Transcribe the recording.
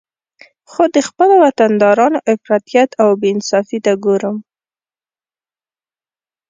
خو د خپل وطندارانو افراطیت او بې انصافي ته ګورم